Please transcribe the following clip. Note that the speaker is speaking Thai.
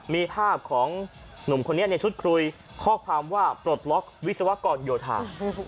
มีภาพของหนุ่มคนนี้ในชุดคุยข้อความว่าปลดล็อกวิศวกรโยธา